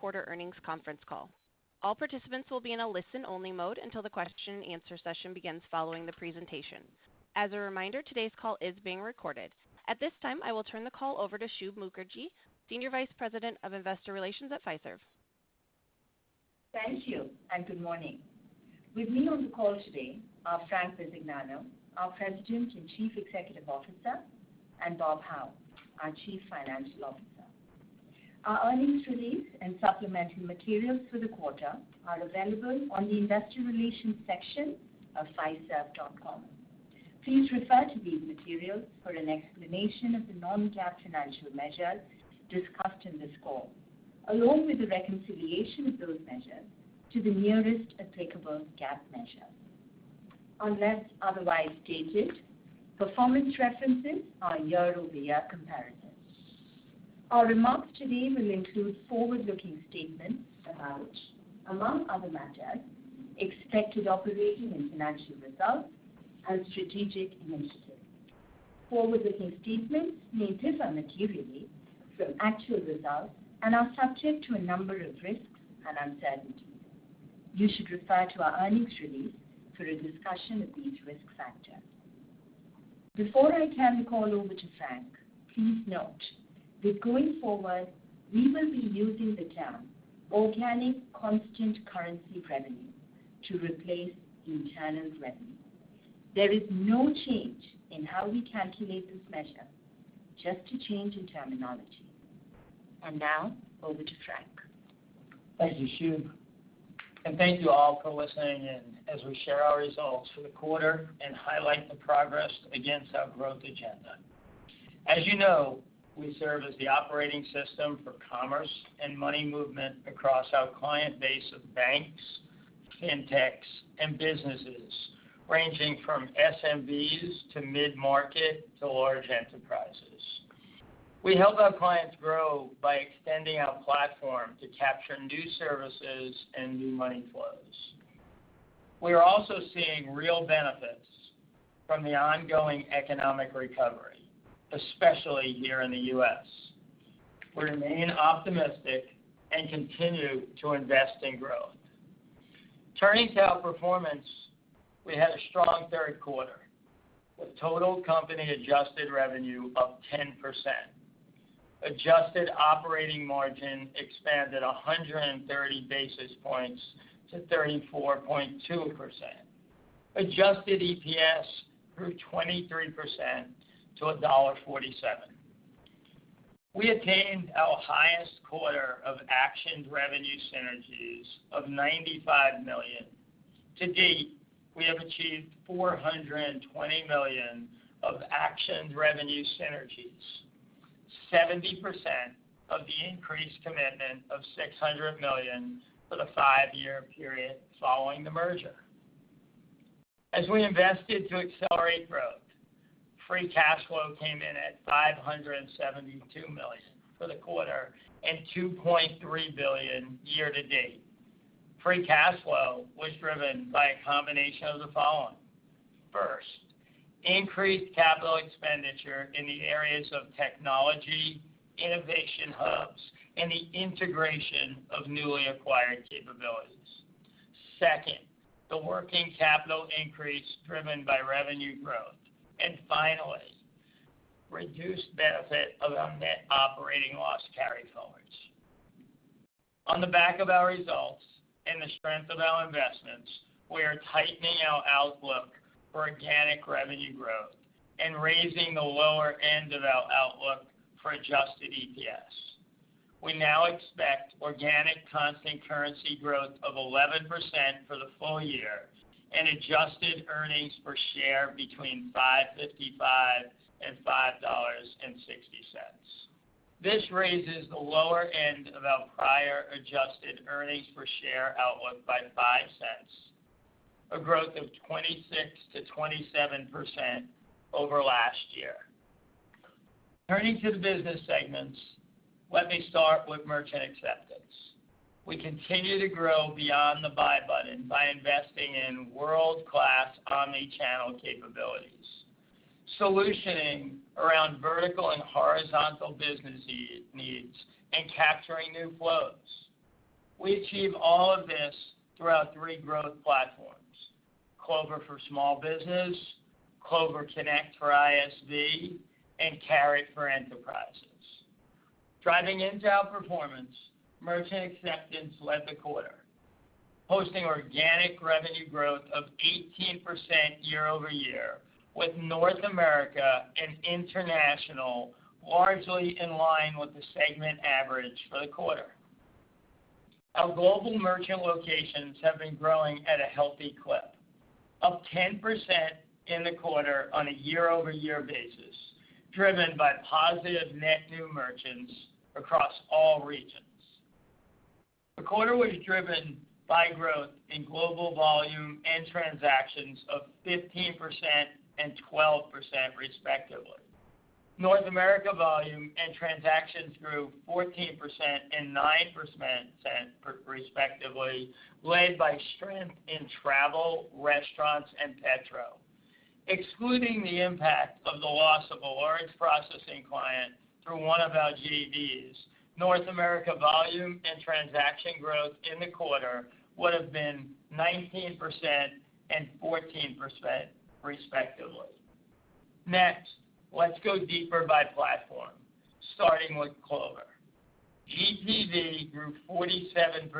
Quarterly earnings conference call. All participants will be in a listen-only mode until the question and answer session begins following the presentation. As a reminder, today's call is being recorded. At this time, I will turn the call over to Shub Mukherjee, Senior Vice President of Investor Relations at Fiserv. Thank you and good morning. With me on the call today are Frank Bisignano, our President and Chief Executive Officer, and Bob Hau, our Chief Financial Officer. Our earnings release and supplementary materials for the quarter are available on the investor relations section of fiserv.com. Please refer to these materials for an explanation of the non-GAAP financial measures discussed in this call, along with the reconciliation of those measures to the nearest applicable GAAP measure. Unless otherwise stated, performance references are year-over-year comparisons. Our remarks today will include forward-looking statements about, among other matters, expected operating and financial results and strategic initiatives. Forward-looking statements may differ materially from actual results and are subject to a number of risks and uncertainties. You should refer to our earnings release for a discussion of these risk factors. Before I turn the call over to Frank, please note that going forward, we will be using the term organic constant currency revenue to replace internal revenue. There is no change in how we calculate this measure, just a change in terminology. Now over to Frank. Thank you, Shub. Thank you all for listening in as we share our results for the quarter and highlight the progress against our growth agenda. As you know, we serve as the operating system for commerce and money movement across our client base of banks, fintechs, and businesses ranging from SMBs to mid-market to large enterprises. We help our clients grow by extending our platform to capture new services and new money flows. We are also seeing real benefits from the ongoing economic recovery, especially here in the U.S. We remain optimistic and continue to invest in growth. Turning to our performance, we had a strong third quarter with total company adjusted revenue up 10%. Adjusted operating margin expanded 130 basis points to 34.2%. Adjusted EPS grew 23% to $1.47. We attained our highest quarter of actioned revenue synergies of $95 million. To date, we have achieved $420 million of actioned revenue synergies, 70% of the increased commitment of $600 million for the 5-year period following the merger. As we invested to accelerate growth, free cash flow came in at $572 million for the quarter and $2.3 billion year to date. Free cash flow was driven by a combination of the following. First, increased capital expenditure in the areas of technology, innovation hubs, and the integration of newly acquired capabilities. Second, the working capital increase driven by revenue growth. Finally, reduced benefit of our net operating loss carryforwards. On the back of our results and the strength of our investments, we are tightening our outlook for organic revenue growth and raising the lower end of our outlook for adjusted EPS. We now expect organic constant currency growth of 11% for the full year and adjusted earnings per share between $5.55 and $5.60. This raises the lower end of our prior adjusted earnings per share outlook by $0.05, a growth of 26%-27% over last year. Turning to the business segments, let me start with merchant acceptance. We continue to grow beyond the buy button by investing in world-class omni-channel capabilities, solutioning around vertical and horizontal business needs and capturing new flows. We achieve all of this through our three growth platforms, Clover for small business, Clover Connect for ISV, and Carat for enterprises. Driving into our performance, merchant acceptance led the quarter, hosting organic revenue growth of 18% year-over-year, with North America and international largely in line with the segment average for the quarter. Our global merchant locations have been growing at a healthy clip, up 10% in the quarter on a year-over-year basis, driven by positive net new merchants across all regions. The quarter was driven by growth in global volume and transactions of 15% and 12% respectively. North America volume and transactions grew 14% and 9% respectively, led by strength in travel, restaurants, and petrol. Excluding the impact of the loss of a large processing client through one of our JVs, North America volume and transaction growth in the quarter would have been 19% and 14% respectively. Next, let's go deeper by platform, starting with Clover. GPV grew 47%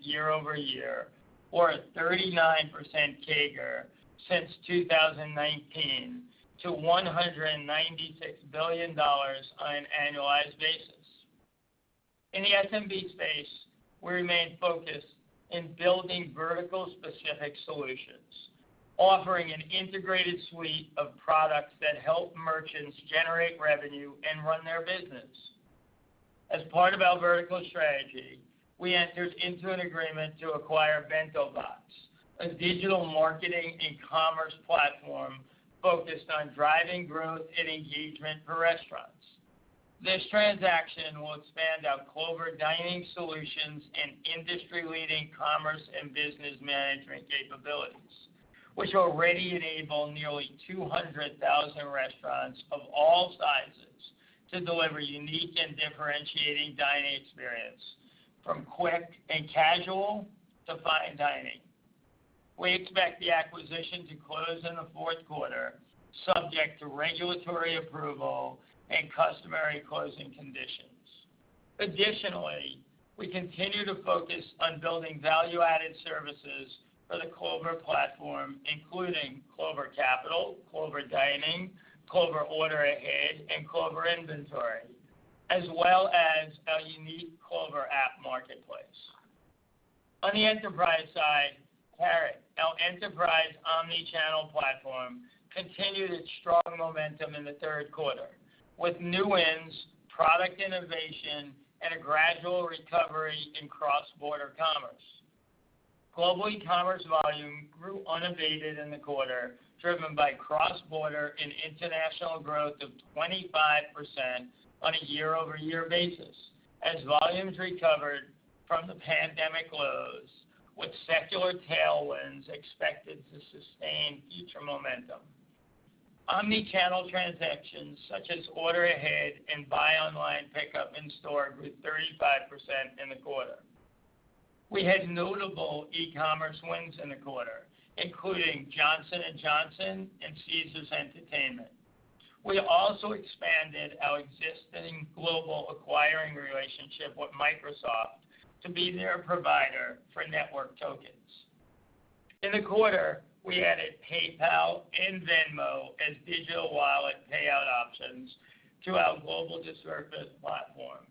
year-over-year or a 39% CAGR since 2019 to $196 billion on an annualized basis. In the SMB space, we remain focused in building vertical specific solutions, offering an integrated suite of products that help merchants generate revenue and run their business. As part of our vertical strategy, we entered into an agreement to acquire BentoBox, a digital marketing and commerce platform focused on driving growth and engagement for restaurants. This transaction will expand our Clover dining solutions and industry-leading commerce and business management capabilities, which already enable nearly 200,000 restaurants of all sizes to deliver unique and differentiating dining experience from quick and casual to fine dining. We expect the acquisition to close in the fourth quarter, subject to regulatory approval and customary closing conditions. Additionally, we continue to focus on building value-added services for the Clover platform, including Clover Capital, Clover Dining, Clover Order Ahead, and Clover Inventory, as well as our unique Clover app marketplace. On the enterprise side, Carat, our enterprise omni-channel platform, continued its strong momentum in the third quarter with new wins, product innovation, and a gradual recovery in cross-border commerce. Global commerce volume grew unabated in the quarter, driven by cross-border and international growth of 25% on a year-over-year basis as volumes recovered from the pandemic lows with secular tailwinds expected to sustain future momentum. Omni-channel transactions such as order ahead and buy online pickup in store grew 35% in the quarter. We had notable e-commerce wins in the quarter, including Johnson & Johnson and Caesars Entertainment. We also expanded our existing global acquiring relationship with Microsoft to be their provider for network tokens. In the quarter, we added PayPal and Venmo as digital wallet payout options to our global service platform,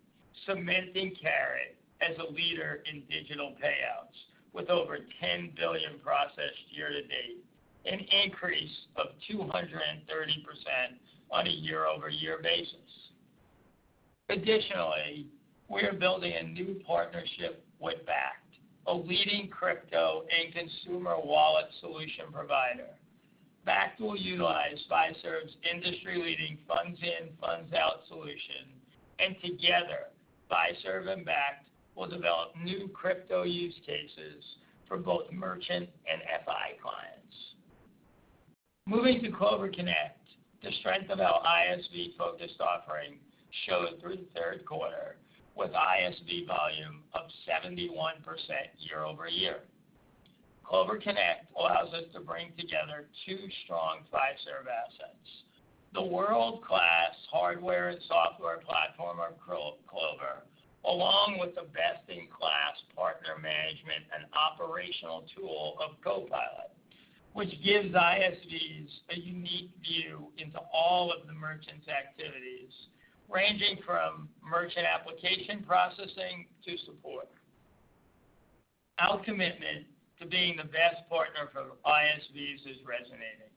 cementing Carat as a leader in digital payouts with over 10 billion processed year to date, an increase of 230% on a year-over-year basis. Additionally, we are building a new partnership with Bakkt, a leading crypto and consumer wallet solution provider. Bakkt will utilize Fiserv's industry-leading funds in, funds out solution, and together, Fiserv and Bakkt will develop new crypto use cases for both merchant and FI clients. Moving to Clover Connect, the strength of our ISV-focused offering showed through the third quarter with ISV volume of 71% year-over-year. Clover Connect allows us to bring together two strong Fiserv assets. The world-class hardware and software platform of Clover, along with the best-in-class partner management and operational tool of CoPilot, which gives ISVs a unique view into all of the merchant's activities, ranging from merchant application processing to support. Our commitment to being the best partner for ISVs is resonating.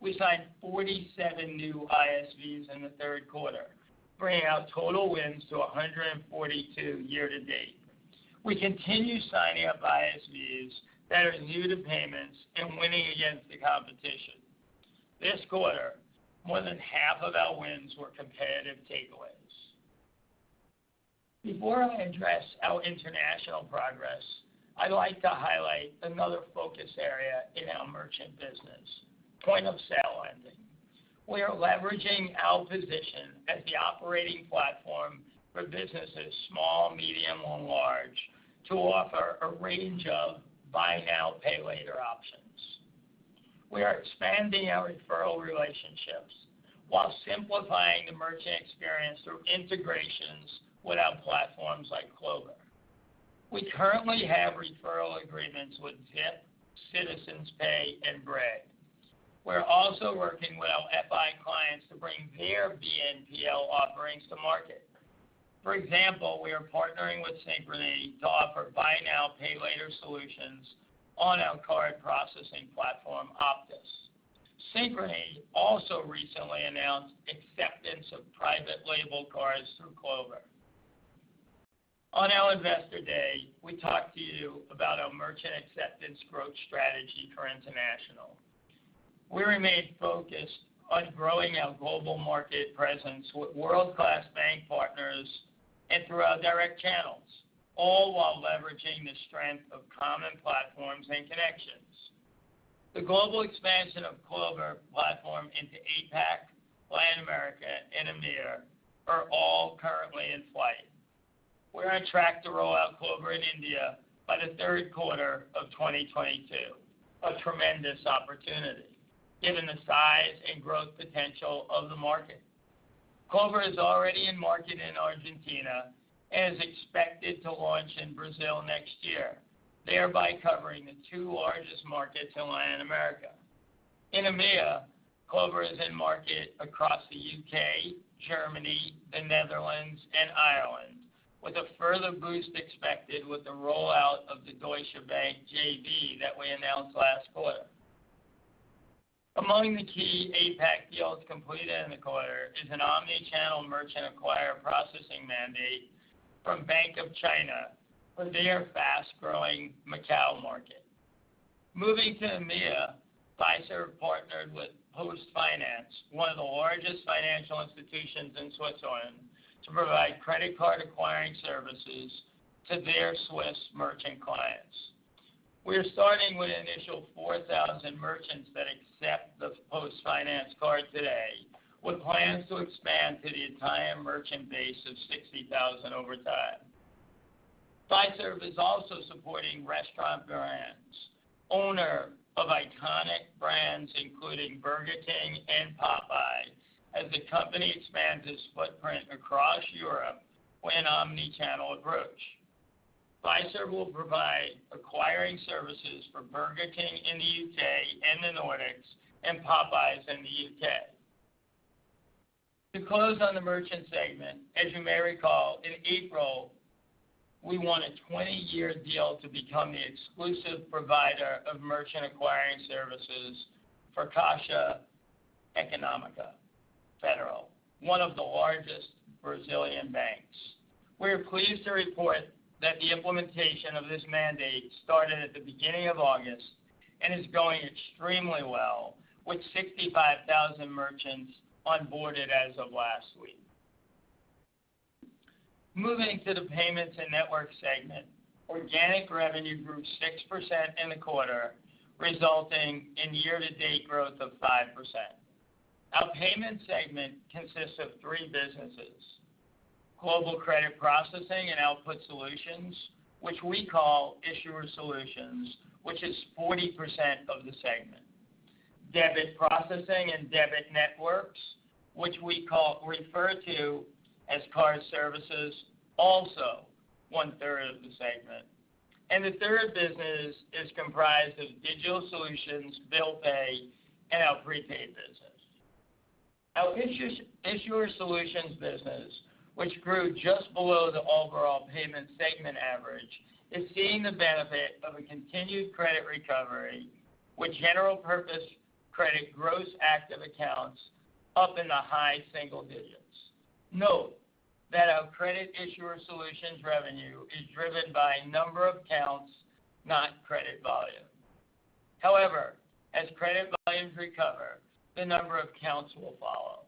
We signed 47 new ISVs in the third quarter, bringing our total wins to 142 year to date. We continue signing up ISVs that are new to payments and winning against the competition. This quarter, more than half of our wins were competitive takeaways. Before I address our international progress, I'd like to highlight another focus area in our merchant business, point-of-sale lending. We are leveraging our position as the operating platform for businesses, small, medium, or large, to offer a range of buy now, pay later options. We are expanding our referral relationships while simplifying the merchant experience through integrations with our platforms like Clover. We currently have referral agreements with Zip, Citizens Pay, and Bread. We're also working with our FI clients to bring their BNPL offerings to market. For example, we are partnering with Synchrony to offer buy now, pay later solutions on our card processing platform, Optis. Synchrony also recently announced acceptance of private label cards through Clover. On our investor day, we talked to you about our merchant acceptance growth strategy for international. We remain focused on growing our global market presence with world-class bank partners and through our direct channels, all while leveraging the strength of common platforms and connections. The global expansion of Clover platform into APAC, Latin America, and EMEA are all currently in flight. We're on track to roll out Clover in India by the third quarter of 2022. A tremendous opportunity given the size and growth potential of the market. Clover is already in market in Argentina and is expected to launch in Brazil next year, thereby covering the two largest markets in Latin America. In EMEA, Clover is in market across the U.K., Germany, the Netherlands, and Ireland, with a further boost expected with the rollout of the Deutsche Bank JV that we announced last quarter. Among the key APAC deals completed in the quarter is an omni-channel merchant acquirer processing mandate from Bank of China for their fast-growing Macau market. Moving to EMEA, Fiserv partnered with PostFinance, one of the largest financial institutions in Switzerland, to provide credit card acquiring services to their Swiss merchant clients. We are starting with an initial 4,000 merchants that accept the PostFinance card today, with plans to expand to the entire merchant base of 60,000 over time. Fiserv is also supporting Restaurant Brands, owner of iconic brands including Burger King and Popeyes, as the company expands its footprint across Europe with an omni-channel approach. Fiserv will provide acquiring services for Burger King in the U.K. and the Nordics and Popeyes in the U.K. To close on the merchant segment, as you may recall, in April, we won a 20-year deal to become the exclusive provider of merchant acquiring services for Caixa Econômica Federal, one of the largest Brazilian banks. We are pleased to report that the implementation of this mandate started at the beginning of August and is going extremely well, with 65,000 merchants onboarded as of last week. Moving to the payments and network segment. Organic revenue grew 6% in the quarter, resulting in year-to-date growth of 5%. Our payment segment consists of three businesses: Global credit processing and output solutions, which we call Issuer Solutions, which is 40% of the segment. Debit processing and debit networks, which we refer to as Card Services, also 1/3 of the segment. The third business is comprised of Digital Solutions, Bill Pay, and our prepaid business. Our Issuer Solutions business, which grew just below the overall payment segment average, is seeing the benefit of a continued credit recovery with general purpose credit gross active accounts up in the high single digits%. Note that our credit issuer solutions revenue is driven by number of accounts, not credit volume. However, as credit volumes recover, the number of accounts will follow.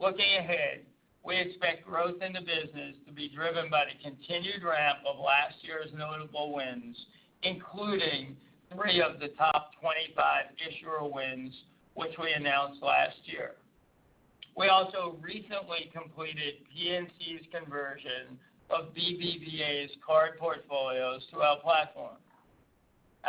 Looking ahead, we expect growth in the business to be driven by the continued ramp of last year's notable wins, including three of the top 25 issuer wins, which we announced last year. We also recently completed PNC's conversion of BBVA's card portfolios to our platform.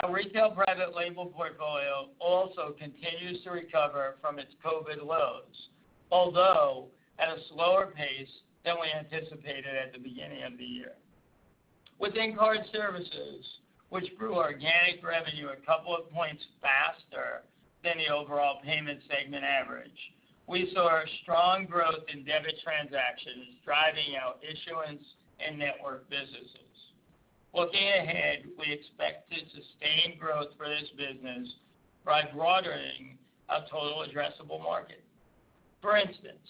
Our retail private label portfolio also continues to recover from its COVID lows, although at a slower pace than we anticipated at the beginning of the year. Within Card Services, which grew organic revenue a couple of points faster than the overall payment segment average, we saw strong growth in debit transactions driving our issuance and network businesses. Looking ahead, we expect to sustain growth for this business by broadening our total addressable market. For instance,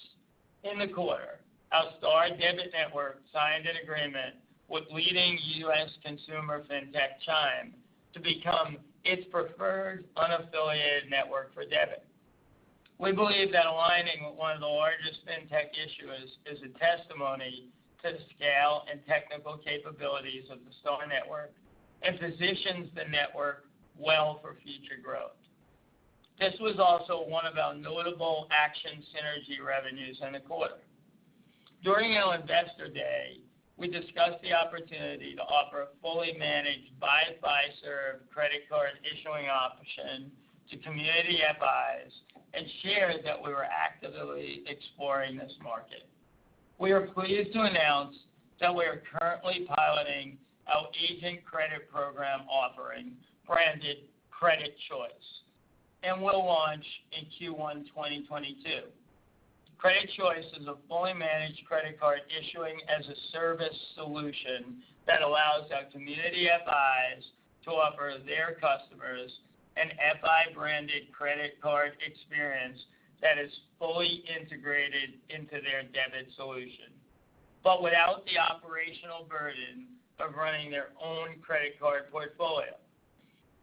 in the quarter, our STAR debit network signed an agreement with leading U.S. consumer fintech Chime to become its preferred unaffiliated network for debit. We believe that aligning with one of the largest fintech issuers is a testimony to the scale and technical capabilities of the STAR network and positions the network well for future growth. This was also one of our notable acquisition synergy revenues in the quarter. During our Investor Day, we discussed the opportunity to offer a fully managed by Fiserv credit card issuing option to community FIs and shared that we were actively exploring this market. We are pleased to announce that we are currently piloting our agent credit program offering branded Credit Choice and will launch in Q1 2022. Credit Choice is a fully managed credit card issuing as a service solution that allows our community FIs to offer their customers an FI-branded credit card experience that is fully integrated into their debit solution. Without the operational burden of running their own credit card portfolio.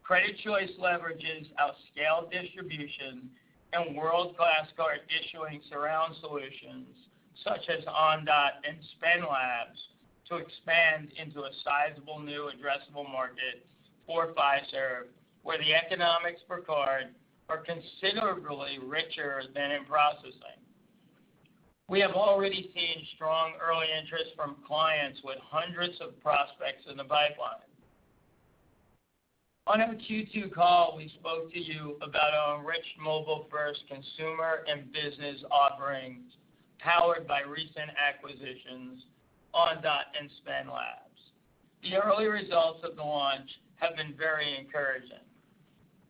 Credit Choice leverages our scale distribution and world-class card issuing surround solutions such as Ondot and SPIN Labs to expand into a sizable new addressable market for Fiserv, where the economics per card are considerably richer than in processing. We have already seen strong early interest from clients with hundreds of prospects in the pipeline. On our Q2 call, we spoke to you about our rich mobile-first consumer and business offerings powered by recent acquisitions, Ondot and SPIN Labs. The early results of the launch have been very encouraging.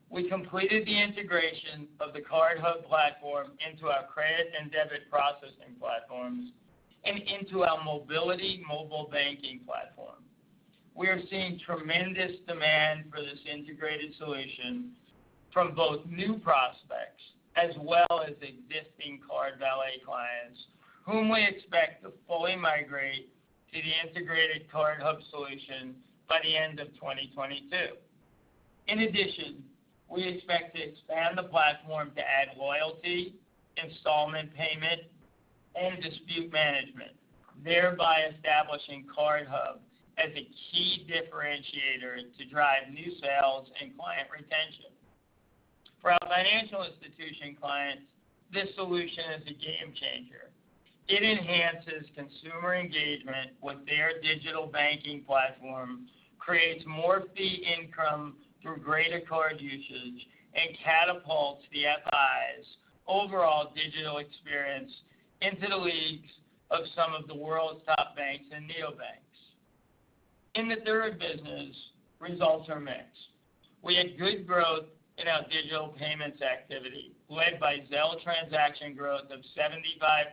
We completed the integration of the Card Hub platform into our credit and debit processing platforms and into our Mobiliti mobile banking platform. We are seeing tremendous demand for this integrated solution from both new prospects as well as existing CardValet clients whom we expect to fully migrate to the integrated Card Hub solution by the end of 2022. In addition, we expect to expand the platform to add loyalty, installment payment, and dispute management, thereby establishing Card Hub as a key differentiator to drive new sales and client retention. For our financial institution clients, this solution is a game changer. It enhances consumer engagement with their digital banking platform, creates more fee income through greater card usage, and catapults the FIs' overall digital experience into the leagues of some of the world's top banks and neobanks. In the third business, results are mixed. We had good growth in our digital payments activity, led by Zelle transaction growth of 75%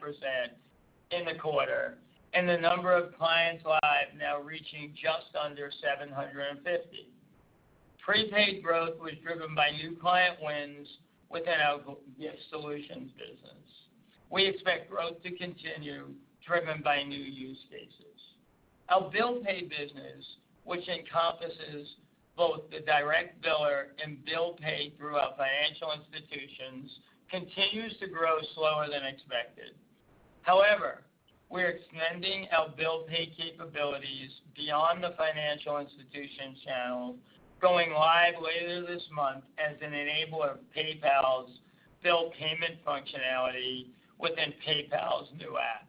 in the quarter, and the number of clients live now reaching just under 750. Prepaid growth was driven by new client wins within our gift solutions business. We expect growth to continue driven by new use cases. Our bill pay business, which encompasses both the direct biller and bill pay through our financial institutions, continues to grow slower than expected. However, we're extending our bill pay capabilities beyond the financial institution channel, going live later this month as an enabler of PayPal's bill payment functionality within PayPal's new app.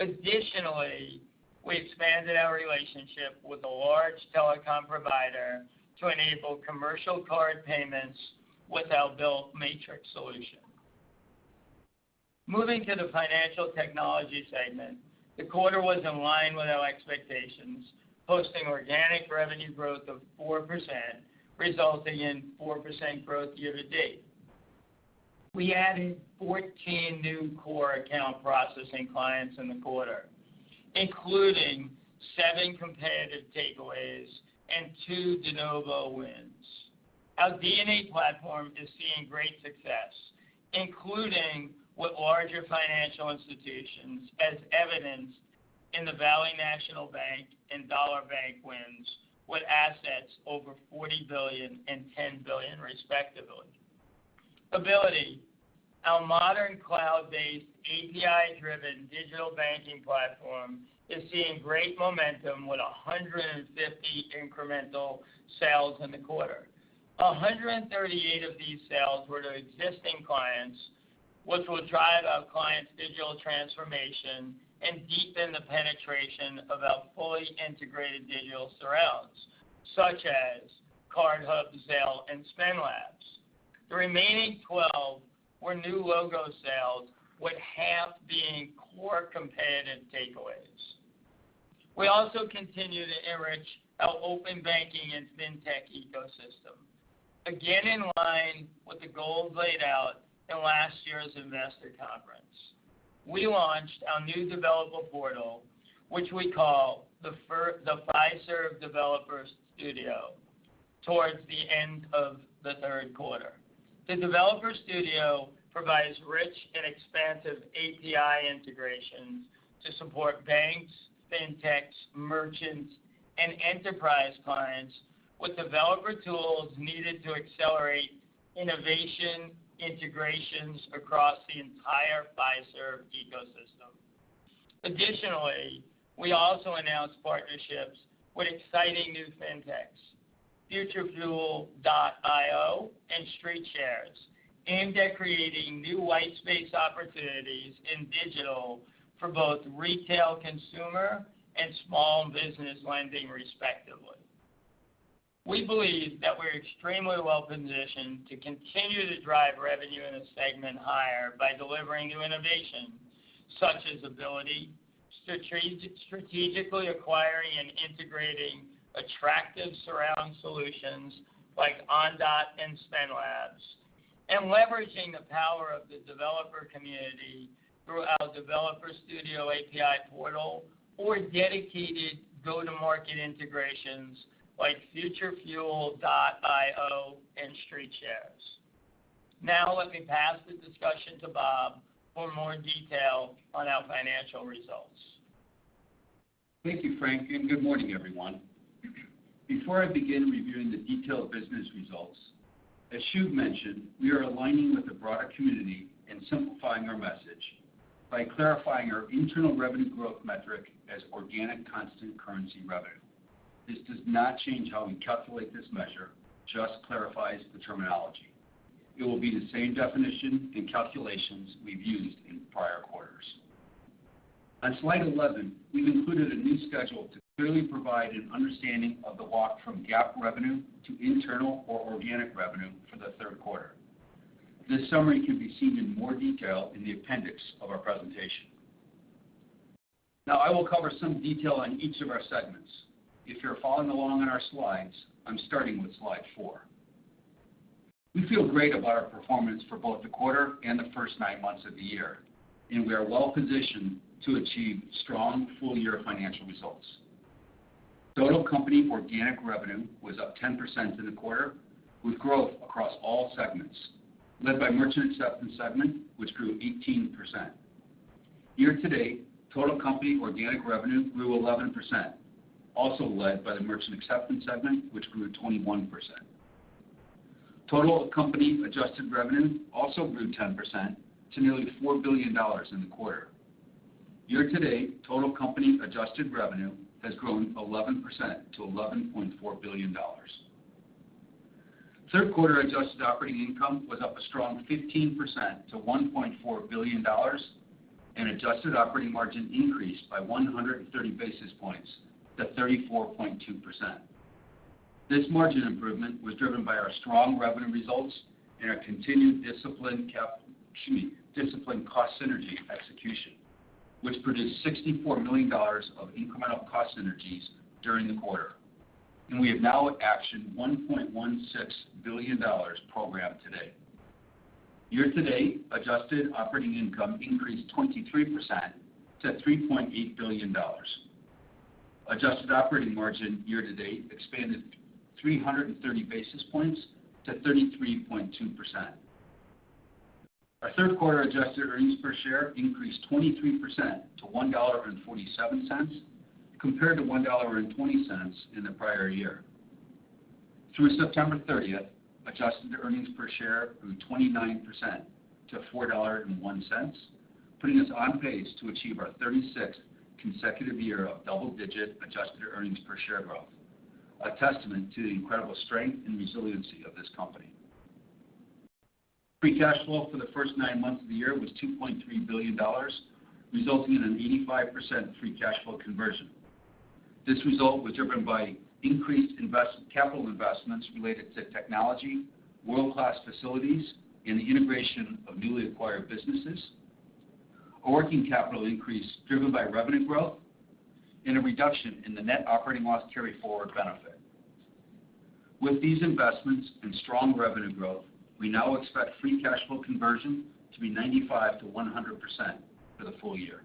Additionally, we expanded our relationship with a large telecom provider to enable commercial card payments with our BillMatrix solution. Moving to the financial technology segment, the quarter was in line with our expectations, posting organic revenue growth of 4%, resulting in 4% growth year to date. We added 14 new core account processing clients in the quarter, including seven competitive takeaways and two de novo wins. Our DNA platform is seeing great success, including with larger financial institutions as evidenced in the Valley National Bank and Dollar Bank wins with assets over $40 billion and $10 billion respectively. Abiliti, our modern cloud-based API-driven digital banking platform, is seeing great momentum with 150 incremental sales in the quarter. 138 of these sales were to existing clients, which will drive our clients' digital transformation and deepen the penetration of our fully integrated digital surrounds such as Card Hub, Zelle, and SPIN Labs. The remaining 12 were new logo sales, with half being core competitive takeaways. We also continue to enrich our open banking and fintech ecosystem. Again, in line with the goals laid out in last year's investor conference. We launched our new developer portal, which we call the Fiserv Developer Studio, towards the end of the third quarter. The Developer Studio provides rich and expansive API integrations to support banks, fintechs, merchants, and enterprise clients with developer tools needed to accelerate innovation integrations across the entire Fiserv ecosystem. Additionally, we also announced partnerships with exciting new fintechs, FutureFuel.io and StreetShares, aimed at creating new white-space opportunities in digital for both retail consumer and small business lending, respectively. We believe that we're extremely well-positioned to continue to drive revenue in a segment higher by delivering new innovation, such as Abiliti, strategically acquiring and integrating attractive surround solutions like Ondot and SpendLab, and leveraging the power of the developer community through our Developer Studio API portal or dedicated go-to-market integrations like FutureFuel.io and StreetShares. Now let me pass the discussion to Bob for more detail on our financial results. Thank you, Frank, and good morning, everyone. Before I begin reviewing the detailed business results, as Shub mentioned, we are aligning with the broader community and simplifying our message by clarifying our internal revenue growth metric as organic constant currency revenue. This does not change how we calculate this measure, just clarifies the terminology. It will be the same definition and calculations we've used in prior quarters. On slide 11, we've included a new schedule to clearly provide an understanding of the walk from GAAP revenue to internal or organic revenue for the third quarter. This summary can be seen in more detail in the appendix of our presentation. Now, I will cover some detail on each of our segments. If you're following along on our slides, I'm starting with slide 4. We feel great about our performance for both the quarter and the first nine months of the year, and we are well-positioned to achieve strong full-year financial results. Total company organic revenue was up 10% in the quarter, with growth across all segments, led by merchant acceptance segment, which grew 18%. Year to date, total company organic revenue grew 11%, also led by the merchant acceptance segment, which grew 21%. Total company adjusted revenue also grew 10% to nearly $4 billion in the quarter. Year to date, total company adjusted revenue has grown 11% to $11.4 billion. Third quarter adjusted operating income was up a strong 15% to $1.4 billion, and adjusted operating margin increased by 130 basis points to 34.2%. This margin improvement was driven by our strong revenue results and our continued disciplined cost synergy execution, which produced $64 million of incremental cost synergies during the quarter. We have now actioned $1.16 billion program to date. Year to date, adjusted operating income increased 23% to $3.8 billion. Adjusted operating margin year to date expanded 330 basis points to 33.2%. Our third quarter adjusted earnings per share increased 23% to $1.47 compared to $1.20 in the prior year. Through September 30, adjusted earnings per share grew 29% to $4.01, putting us on pace to achieve our 36th consecutive year of double-digit adjusted earnings per share growth, a testament to the incredible strength and resiliency of this company. Free cash flow for the first nine months of the year was $2.3 billion, resulting in an 85% free cash flow conversion. This result was driven by increased capital investments related to technology, world-class facilities, and the integration of newly acquired businesses, a working capital increase driven by revenue growth, and a reduction in the net operating loss carry-forward benefit. With these investments and strong revenue growth, we now expect free cash flow conversion to be 95%-100% for the full year.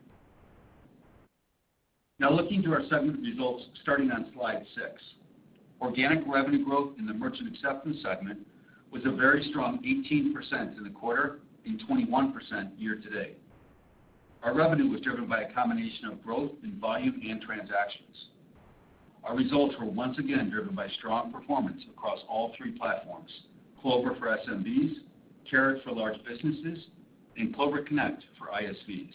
Now looking to our segment results starting on slide 6. Organic revenue growth in the merchant acceptance segment was a very strong 18% in the quarter and 21% year-to-date. Our revenue was driven by a combination of growth in volume and transactions. Our results were once again driven by strong performance across all three platforms, Clover for SMBs, Carat for large businesses, and Clover Connect for ISVs.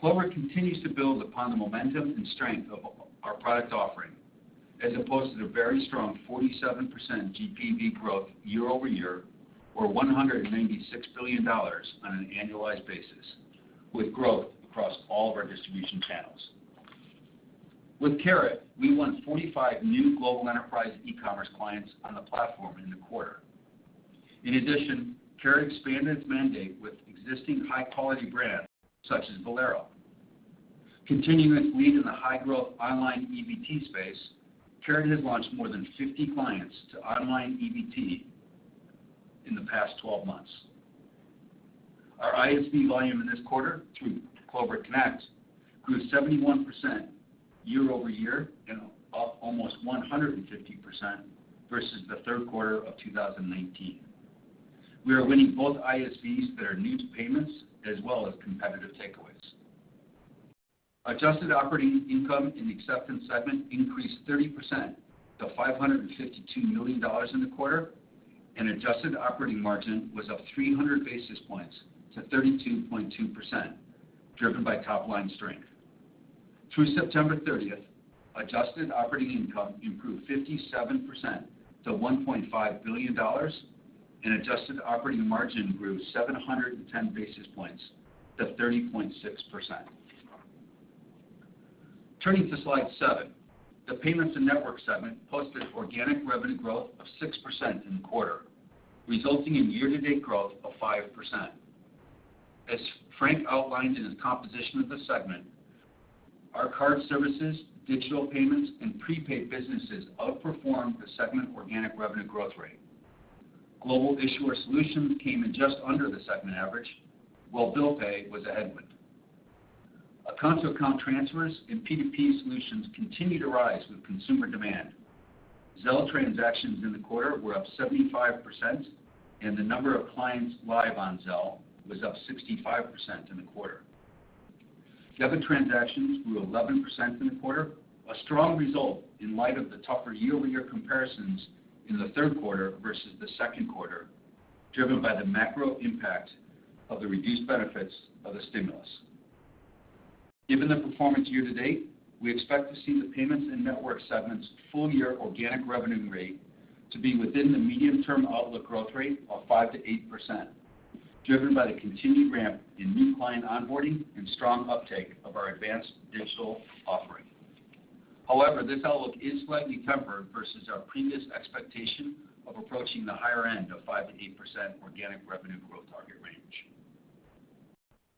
Clover continues to build upon the momentum and strength of our product offering, as opposed to the very strong 47% GPV growth year-over-year or $196 billion on an annualized basis, with growth across all of our distribution channels. With Carat, we won 45 new global enterprise e-commerce clients on the platform in the quarter. In addition, Carat expanded its mandate with existing high-quality brands such as Valero. Continuing its lead in the high-growth online EBT space, Carat has launched more than 50 clients to online EBT in the past 12 months. Our ISV volume in this quarter through Clover Connect grew 71% year-over-year and up almost 150% versus the third quarter of 2019. We are winning both ISVs that are new to payments as well as competitive takeaways. Adjusted operating income in the acceptance segment increased 30% to $552 million in the quarter, and adjusted operating margin was up 300 basis points to 32.2%, driven by top-line strength. Through September 30th, adjusted operating income improved 57% to $1.5 billion, and adjusted operating margin grew 710 basis points to 30.6%. Turning to slide 7. The payments and network segment posted organic revenue growth of 6% in the quarter, resulting in year-to-date growth of 5%. As Frank outlined in his composition of the segment, our card services, digital payments, and prepaid businesses outperformed the segment organic revenue growth rate. Global issuer solutions came in just under the segment average, while bill pay was a headwind. Account-to-account transfers and P2P solutions continue to rise with consumer demand. Zelle transactions in the quarter were up 75%, and the number of clients live on Zelle was up 65% in the quarter. Debit transactions grew 11% in the quarter, a strong result in light of the tougher year-over-year comparisons in the third quarter versus the second quarter, driven by the macro impact of the reduced benefits of the stimulus. Given the performance year-to-date, we expect to see the payments and network segments full-year organic revenue rate to be within the medium-term outlook growth rate of 5%-8%, driven by the continued ramp in new client onboarding and strong uptake of our advanced digital offering. However, this outlook is slightly tempered versus our previous expectation of approaching the higher end of 5%-8% organic revenue growth target range.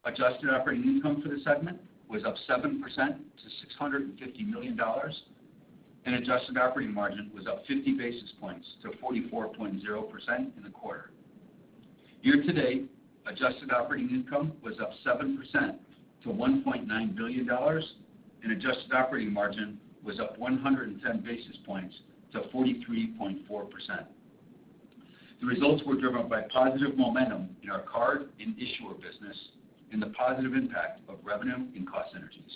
Adjusted operating income for the segment was up 7% to $650 million, and adjusted operating margin was up 50 basis points to 44.0% in the quarter. Year-to-date adjusted operating income was up 7% to $1.9 billion and adjusted operating margin was up 110 basis points to 43.4%. The results were driven by positive momentum in our card and issuer business and the positive impact of revenue and cost synergies.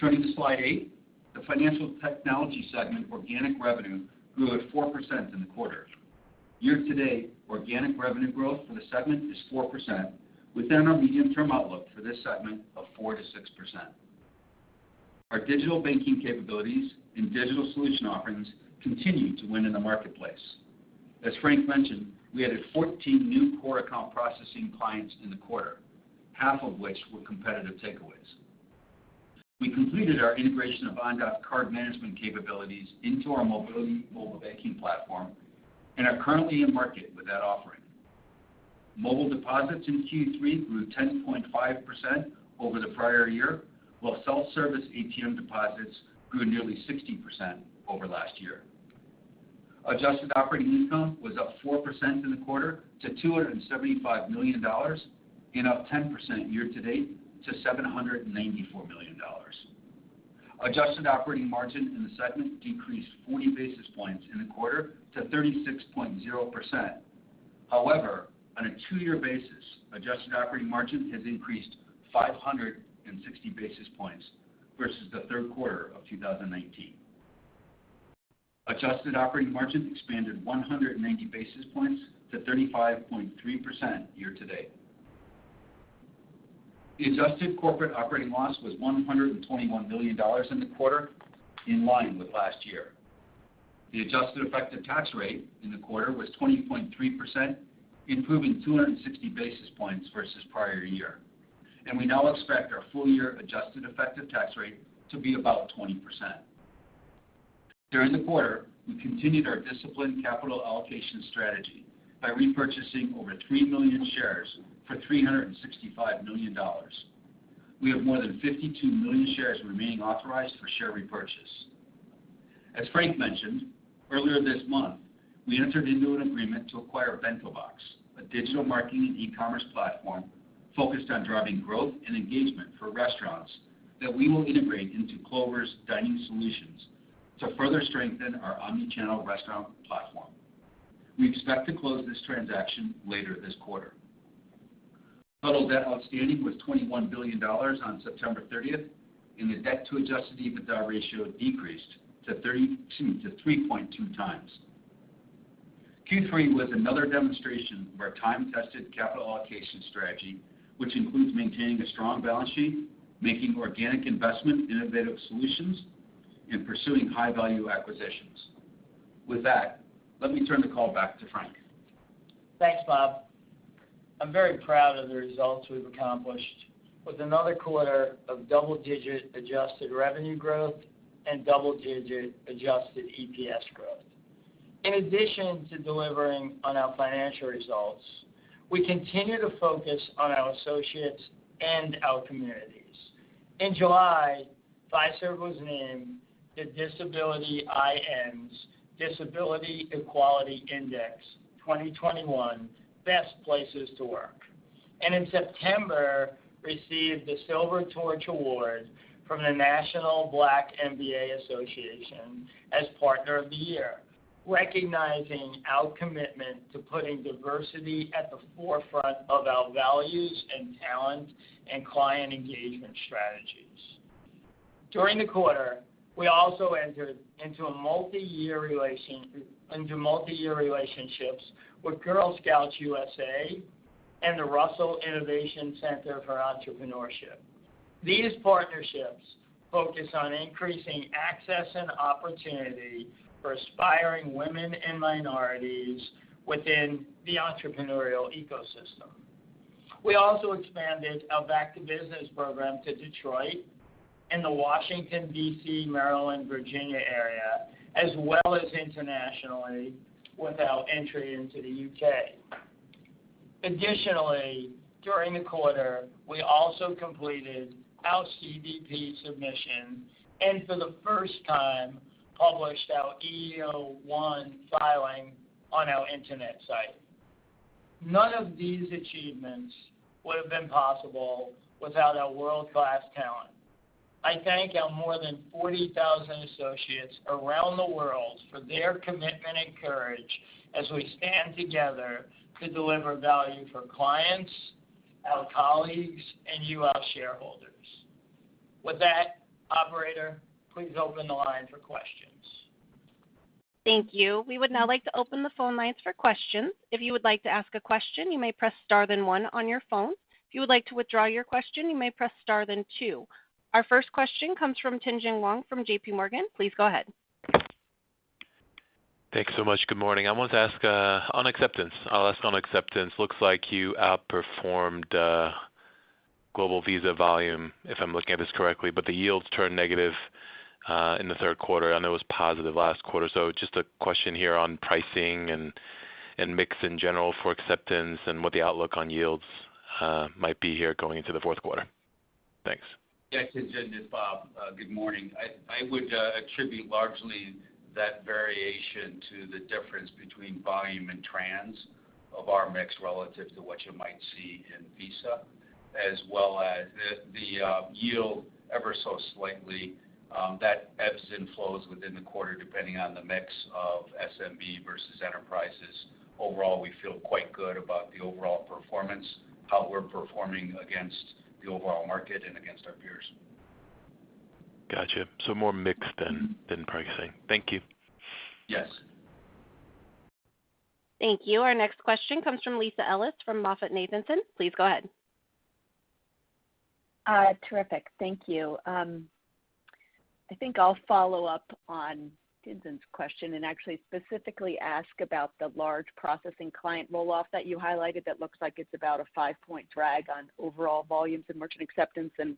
Turning to Slide 8. The financial technology segment organic revenue grew at 4% in the quarter. Year-to-date organic revenue growth for the segment is 4% within our medium-term outlook for this segment of 4%-6%. Our digital banking capabilities and digital solution offerings continue to win in the marketplace. As Frank mentioned, we added 14 new core account processing clients in the quarter, half of which were competitive takeaways. We completed our integration of Ondot's card management capabilities into our Mobiliti mobile banking platform and are currently in market with that offering. Mobile deposits in Q3 grew 10.5% over the prior year, while self-service ATM deposits grew nearly 60% over last year. Adjusted operating income was up 4% in the quarter to $275 million and up 10% year-to-date to $794 million. Adjusted operating margin in the segment decreased 40 basis points in the quarter to 36.0%. However, on a two-year basis, adjusted operating margin has increased 560 basis points versus the third quarter of 2019. Adjusted operating margin expanded 190 basis points to 35.3% year-to-date. The adjusted corporate operating loss was $121 million in the quarter, in line with last year. The adjusted effective tax rate in the quarter was 20.3%, improving 260 basis points versus prior year. We now expect our full-year adjusted effective tax rate to be about 20%. During the quarter, we continued our disciplined capital allocation strategy by repurchasing over 3 million shares for $365 million. We have more than 52 million shares remaining authorized for share repurchase. As Frank mentioned, earlier this month, we entered into an agreement to acquire BentoBox, a digital marketing and e-commerce platform focused on driving growth and engagement for restaurants that we will integrate into Clover's dining solutions to further strengthen our omni-channel restaurant platform. We expect to close this transaction later this quarter. Total debt outstanding was $21 billion on September 30, and the debt to adjusted EBITDA ratio decreased to, excuse me, 3.2 times. Q3 was another demonstration of our time-tested capital allocation strategy, which includes maintaining a strong balance sheet, making organic investment in innovative solutions, and pursuing high-value acquisitions. With that, let me turn the call back to Frank. Thanks, Bob. I'm very proud of the results we've accomplished with another quarter of double-digit adjusted revenue growth and double-digit adjusted EPS growth. In addition to delivering on our financial results, we continue to focus on our associates and our communities. In July, Fiserv was named the Disability:IN's Disability Equality Index 2021 Best Places to Work. In September, Fiserv received the Silver Torch Award from the National Black MBA Association as Partner of the Year, recognizing our commitment to putting diversity at the forefront of our values in talent and client engagement strategies. During the quarter, we also entered into multi-year relationships with Girl Scouts of the USA and the Russell Innovation Center for Entrepreneurs. These partnerships focus on increasing access and opportunity for aspiring women and minorities within the entrepreneurial ecosystem. We also expanded our Back to Business program to Detroit and the Washington, D.C., Maryland, Virginia area, as well as internationally with our entry into the U.K. Additionally, during the quarter, we also completed our CDP submission and for the first time published our EEO-1 filing. On our internet site. None of these achievements would have been possible without our world-class talent. I thank our more than 40,000 associates around the world for their commitment and courage as we stand together to deliver value for clients, our colleagues, and you, our shareholders. With that, operator, please open the line for questions. Thank you. We would now like to open the phone lines for questions. If you would like to ask a question, you may press star then one on your phone. If you would like to withdraw your question, you may press star then two. Our first question comes from Tien-Tsin Huang from J.P. Morgan. Please go ahead. Thanks so much. Good morning. I want to ask on acceptance. I'll ask on acceptance. Looks like you outperformed global Visa volume, if I'm looking at this correctly, but the yields turned negative in the third quarter. I know it was positive last quarter. Just a question here on pricing and mix in general for acceptance and what the outlook on yields might be here going into the fourth quarter. Thanks. Yes. Tien-Tsin Huang, this is Bob Hau. Good morning. I would attribute largely that variation to the difference between volume and trans of our mix relative to what you might see in Visa, as well as the yield ever so slightly that ebbs and flows within the quarter depending on the mix of SMB versus enterprises. Overall, we feel quite good about the overall performance, how we're performing against the overall market and against our peers. Gotcha. More mix than pricing. Thank you. Yes. Thank you. Our next question comes from Lisa Ellis from MoffettNathanson. Please go ahead. Terrific. Thank you. I think I'll follow up on Tien-Tsin Huang's question and actually specifically ask about the large processing client roll-off that you highlighted that looks like it's about a five-point drag on overall volumes in merchant acceptance and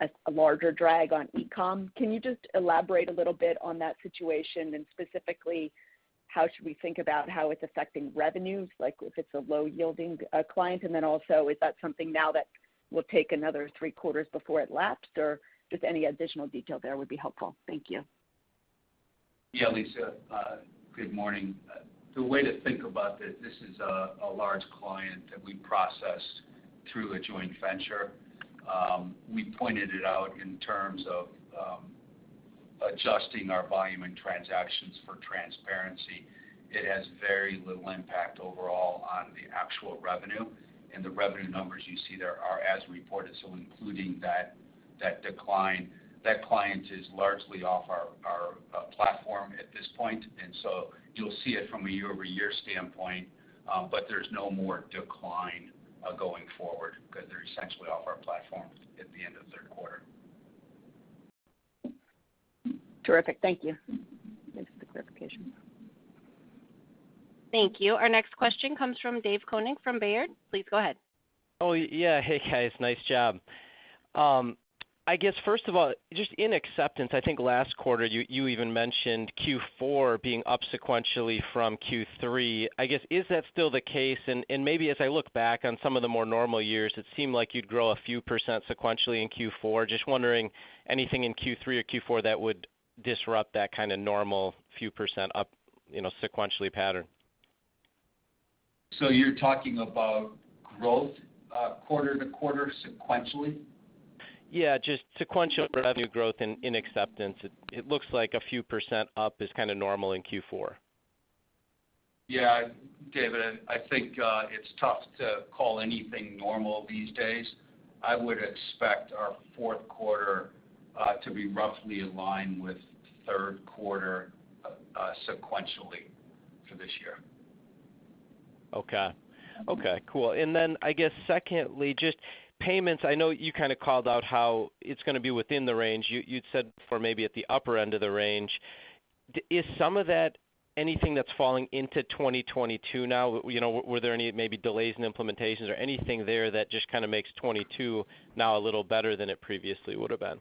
a larger drag on e-com. Can you just elaborate a little bit on that situation? Specifically, how should we think about how it's affecting revenues, like if it's a low-yielding client. Then also is that something now that will take another three quarters before it lapsed? Or just any additional detail there would be helpful. Thank you. Yeah. Lisa, good morning. The way to think about this is a large client that we processed through a joint venture. We pointed it out in terms of adjusting our volume and transactions for transparency. It has very little impact overall on the actual revenue, and the revenue numbers you see there are as reported, so including that decline. That client is largely off our platform at this point. You'll see it from a year-over-year standpoint, but there's no more decline going forward because they're essentially off our platform at the end of third quarter. Terrific. Thank you. Thanks for the clarification. Thank you. Our next question comes from David Koning from Baird. Please go ahead. Oh, yeah. Hey, guys. Nice job. I guess, first of all, just in passing, I think last quarter you even mentioned Q4 being up sequentially from Q3. I guess, is that still the case? Maybe as I look back on some of the more normal years, it seemed like you'd grow a few % sequentially in Q4. Just wondering anything in Q3 or Q4 that would disrupt that kinda normal few % up, you know, sequentially pattern. You're talking about growth, quarter to quarter sequentially? Yeah, just sequential revenue growth in acceptance. It looks like a few percent up is kinda normal in Q4. Yeah. David, I think it's tough to call anything normal these days. I would expect our fourth quarter to be roughly in line with third quarter sequentially for this year. Okay. Okay, cool. I guess secondly, just payments. I know you kinda call out how it's gonna be within the range. You'd said for maybe at the upper end of the range. Is some of that anything that's falling into 2022 now? You know, were there any maybe delays in implementations or anything there that just kinda makes 2022 now a little better than it previously would have been?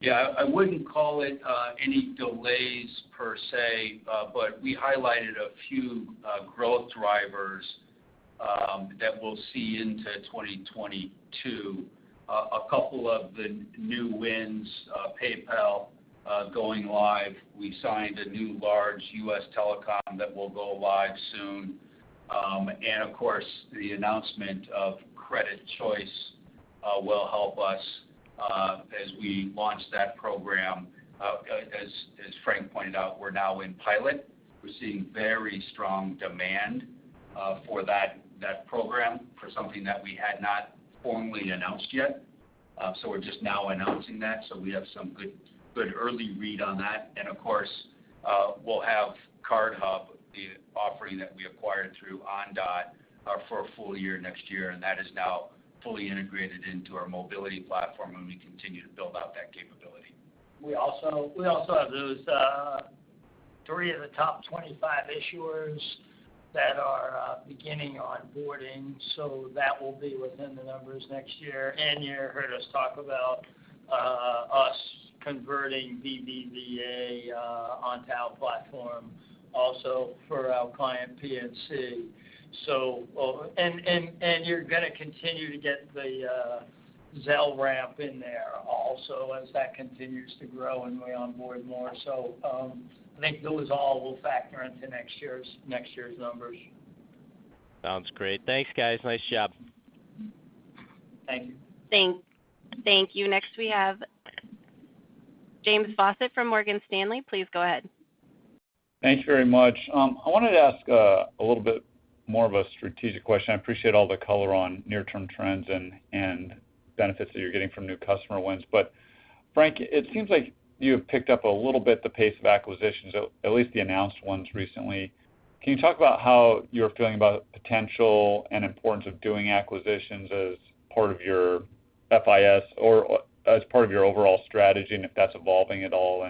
Yeah. I wouldn't call it any delays per se, but we highlighted a few growth drivers that we'll see into 2022. A couple of the new wins, PayPal going live. We signed a new large U.S. telecom that will go live soon. Of course, the announcement of Credit Choice will help us as we launch that program. As Frank pointed out, we're now in pilot. We're seeing very strong demand for that program for something that we had not formally announced yet. We're just now announcing that, so we have some good early read on that. Of course, we'll have CardHub, the offering that we acquired through Ondot, for a full year next year, and that is now fully integrated into our Mobiliti platform, and we continue to build out that capability. We also have those three of the top 25 issuers that are beginning onboarding. That will be within the numbers next year. You heard us talk about us converting BBVA onto our platform also for our client PNC. You're gonna continue to get the Zelle ramp in there also as that continues to grow and we onboard more. I think those all will factor into next year's numbers. Sounds great. Thanks, guys. Nice job. Thank you. Thank you. Next, we have James Faucette from Morgan Stanley. Please go ahead. Thanks very much. I wanted to ask a little bit more of a strategic question. I appreciate all the color on near-term trends and benefits that you're getting from new customer wins. Frank, it seems like you have picked up a little bit the pace of acquisitions, at least the announced ones recently. Can you talk about how you're feeling about potential and importance of doing acquisitions as part of your Fiserv or as part of your overall strategy, and if that's evolving at all?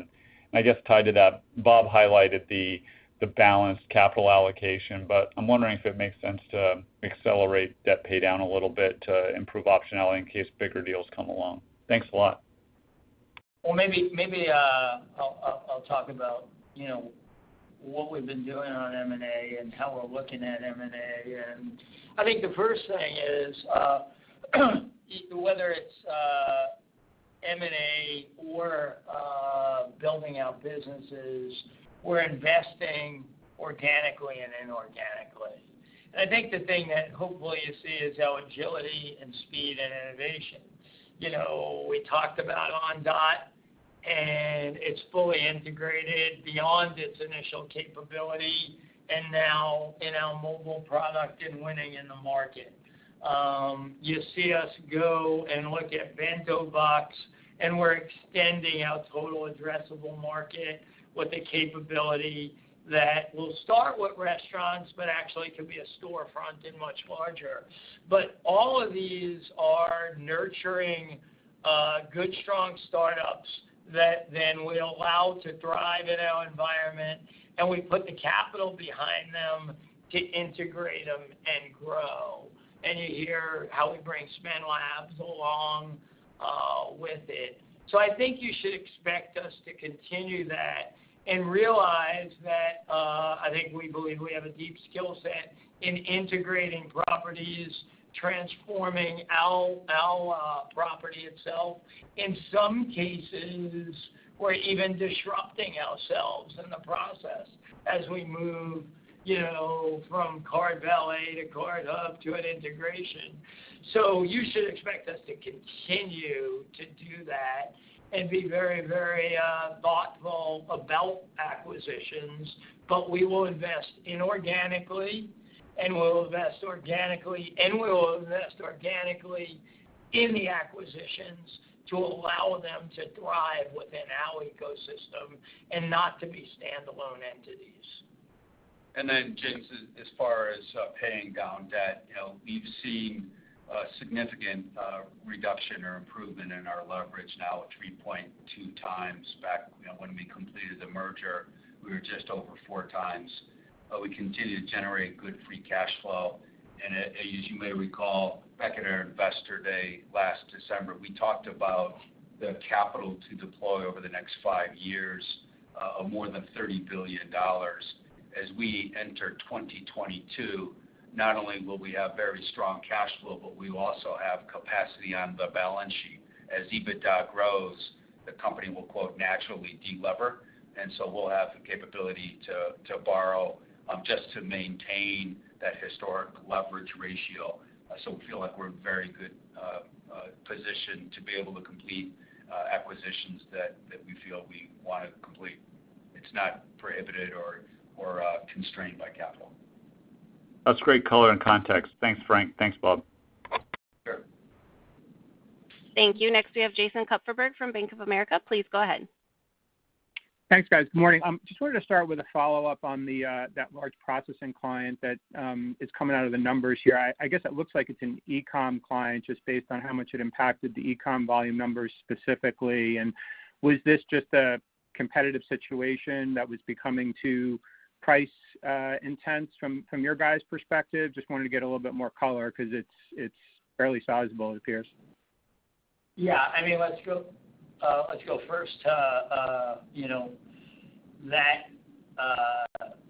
I guess tied to that, Bob highlighted the balanced capital allocation, but I'm wondering if it makes sense to accelerate debt pay down a little bit to improve optionality in case bigger deals come along. Thanks a lot. Well, maybe I'll talk about, you know, what we've been doing on M&A and how we're looking at M&A. I think the first thing is, whether it's M&A or building out businesses, we're investing organically and inorganically. I think the thing that hopefully you see is our agility and speed and innovation. You know, we talked about Ondot, and it's fully integrated beyond its initial capability and now in our mobile product and winning in the market. You see us go and look at BentoBox, and we're extending our total addressable market with the capability that will start with restaurants, but actually could be a storefront and much larger. All of these are nurturing good, strong startups that then we allow to thrive in our environment, and we put the capital behind them to integrate them and grow. You hear how we bring SPIN Labs along with it. I think you should expect us to continue that and realize that I think we believe we have a deep skill set in integrating properties, transforming our property itself. In some cases, we're even disrupting ourselves in the process as we move, you know, from CardValet to CardHub to an integration. You should expect us to continue to do that and be very thoughtful about acquisitions. We will invest inorganically, and we'll invest organically, and we will invest organically in the acquisitions to allow them to thrive within our ecosystem and not to be standalone entities. James, as far as paying down debt, you know, we've seen a significant reduction or improvement in our leverage now at 3.2 times. Back, you know, when we completed the merger, we were just over 4 times. We continue to generate good free cash flow. As you may recall, back at our Investor Day last December, we talked about the capital to deploy over the next five years of more than $30 billion. As we enter 2022, not only will we have very strong cash flow, but we will also have capacity on the balance sheet. As EBITDA grows, the company will quote, "Naturally de-lever," and so we'll have the capability to borrow just to maintain that historic leverage ratio. We feel like we're in a very good position to be able to complete acquisitions that we feel we wanna complete. It's not prohibited or constrained by capital. That's great color and context. Thanks, Frank. Thanks, Bob. Sure. Thank you. Next, we have Jason Kupferberg from Bank of America. Please go ahead. Thanks, guys. Good morning. Just wanted to start with a follow-up on that large processing client that is coming out of the numbers here. I guess it looks like it's an e-com client just based on how much it impacted the e-com volume numbers specifically. Was this just a competitive situation that was becoming too price intense from your guys' perspective? Just wanted to get a little bit more color 'cause it's fairly sizable, it appears. Yeah. I mean, let's go first to you know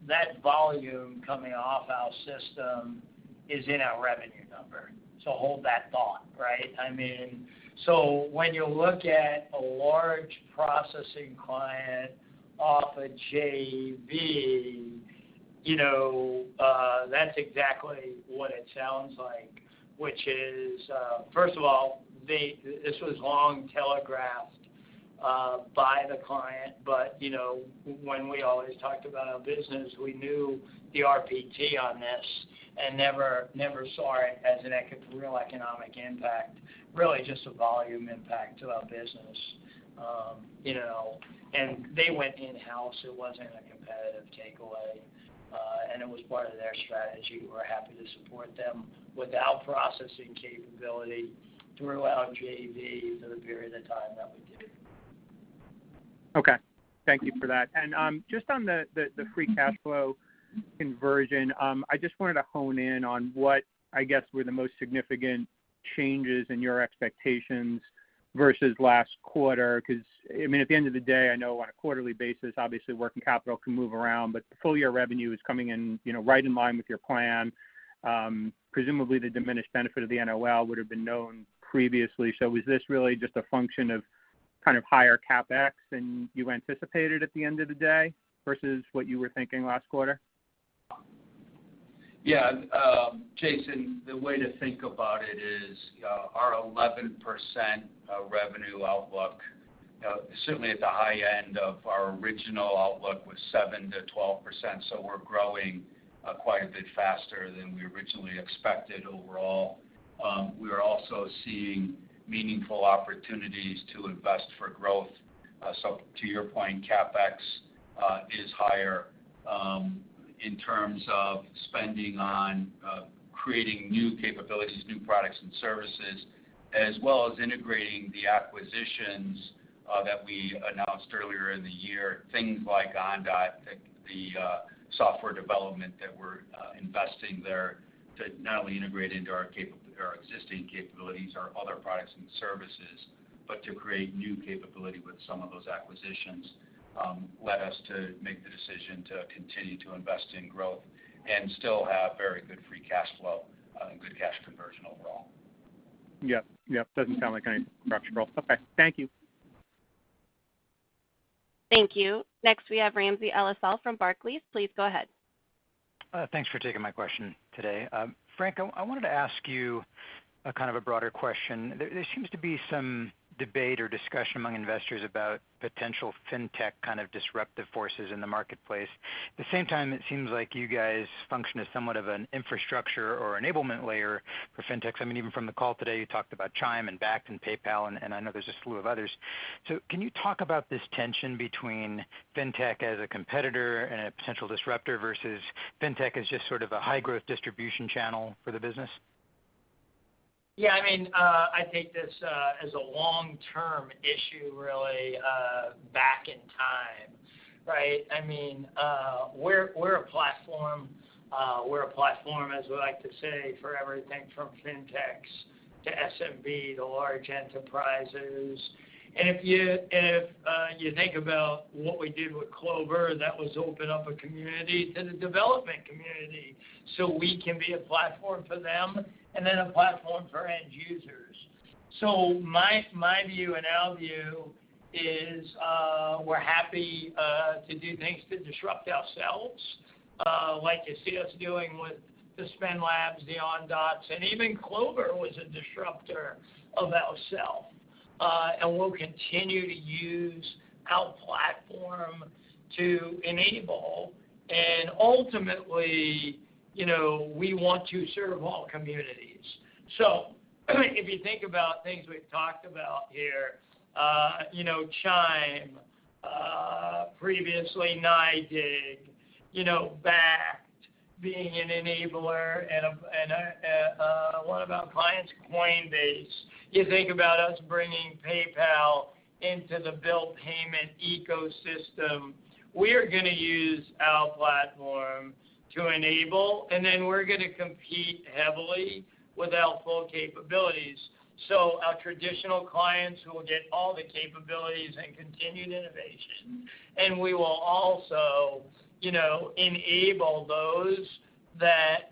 that volume coming off our system is in our revenue number. Hold that thought, right? I mean, when you look at a large processing client off a JV, you know, that's exactly what it sounds like, which is first of all, this was long telegraphed by the client. You know, when we always talked about our business, we knew the RPT on this and never saw it as a real economic impact, really just a volume impact to our business. You know, they went in-house. It wasn't a competitive takeaway. It was part of their strategy. We're happy to support them with our processing capability throughout JV for the period of time that we did. Okay. Thank you for that. Just on the free cash flow conversion, I just wanted to hone in on what, I guess, were the most significant changes in your expectations versus last quarter, 'cause, I mean, at the end of the day, I know on a quarterly basis, obviously working capital can move around, but full year revenue is coming in, you know, right in line with your plan. Presumably the diminished benefit of the NOL would have been known previously. Was this really just a function of kind of higher CapEx than you anticipated at the end of the day versus what you were thinking last quarter? Yeah. Jason, the way to think about it is, our 11% revenue outlook, certainly at the high end of our original outlook was 7%-12%, so we're growing quite a bit faster than we originally expected overall. We are also seeing meaningful opportunities to invest for growth. To your point, CapEx is higher, in terms of spending on creating new capabilities, new products and services, as well as integrating the acquisitions that we announced earlier in the year. Things like Ondot, the software development that we're investing there to not only integrate into our existing capabilities, our other products and services, but to create new capability with some of those acquisitions, led us to make the decision to continue to invest in growth and still have very good free cash flow, and good cash conversion overall. Yep. Yep. Doesn't sound like any structural. Okay. Thank you. Thank you. Next we have Ramsey El-Assal from Barclays. Please go ahead. Thanks for taking my question today. Frank, I wanted to ask you a kind of a broader question. There seems to be some debate or discussion among investors about potential fintech kind of disruptive forces in the marketplace. At the same time, it seems like you guys function as somewhat of an infrastructure or enablement layer for fintechs. I mean, even from the call today, you talked about Chime and Bakkt and PayPal and I know there's a slew of others. Can you talk about this tension between fintech as a competitor and a potential disruptor versus fintech as just sort of a high growth distribution channel for the business? Yeah. I mean, I take this as a long-term issue really, back in time, right? I mean, we're a platform, as we like to say, for everything from fintechs to SMB to large enterprises. If you think about what we did with Clover, that was open up a community and a development community so we can be a platform for them and then a platform for end users. My view and our view is, we're happy to do things to disrupt ourselves, like you see us doing with the SpendLab, the Ondot, and even Clover was a disruptor of ourselves. We'll continue to use our platform to enable, and ultimately, you know, we want to serve all communities. If you think about things we've talked about here, you know, Chime, you know, previously NYDIG, you know, Bakkt being an enabler and one of our clients, Coinbase. You think about us bringing PayPal into the bill payment ecosystem. We are gonna use our platform to enable, and then we're gonna compete heavily with our full capabilities. Our traditional clients will get all the capabilities and continued innovation, and we will also, you know, enable those that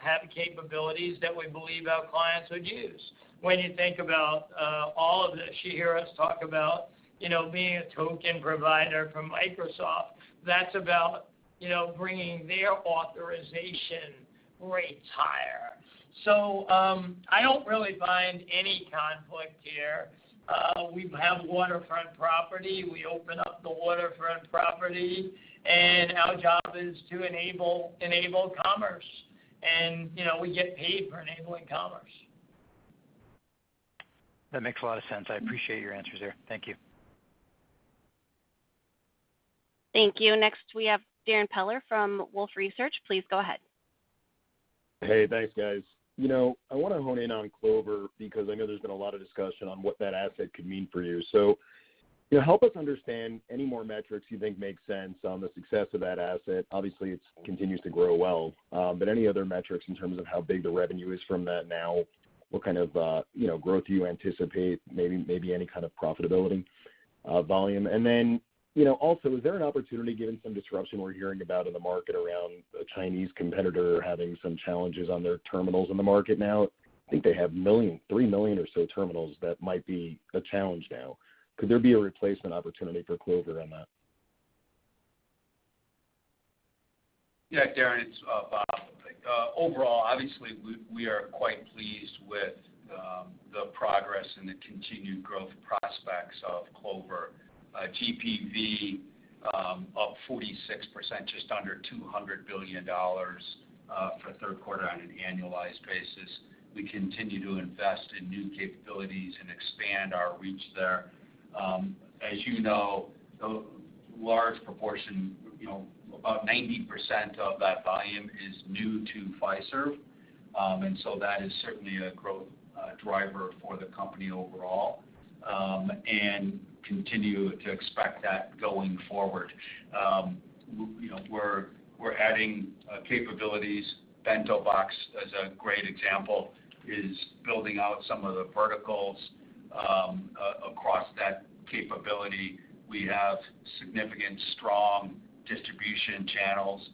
have capabilities that we believe our clients would use. When you think about all of the, you hear us talk about, you know, being a token provider for Microsoft, that's about, you know, bringing their authorization rates higher. I don't really find any conflict here. We have waterfront property. We open up the waterfront property, and our job is to enable commerce and, you know, we get paid for enabling commerce. That makes a lot of sense. I appreciate your answers there. Thank you. Thank you. Next we have Darrin Peller from Wolfe Research. Please go ahead. Hey, thanks, guys. You know, I wanna hone in on Clover because I know there's been a lot of discussion on what that asset could mean for you. You know, help us understand any more metrics you think make sense on the success of that asset. Obviously, it continues to grow well, but any other metrics in terms of how big the revenue is from that now, what kind of growth you anticipate, maybe any kind of profitability, volume. You know, also, is there an opportunity, given some disruption we're hearing about in the market around the Chinese competitor having some challenges on their terminals in the market now? I think they have 3 million or so terminals that might be a challenge now. Could there be a replacement opportunity for Clover in that? Yeah, Darrin, it's Bob Hau. Overall, obviously we are quite pleased with the progress and the continued growth prospects of Clover. GPV up 46%, just under $200 billion for third quarter on an annualized basis. We continue to invest in new capabilities and expand our reach there. As you know, a large proportion, you know, about 90% of that volume is new to Fiserv. That is certainly a growth driver for the company overall. Continue to expect that going forward. We're adding capabilities. BentoBox is a great example, is building out some of the verticals. Across that capability, we have significant strong distribution channels.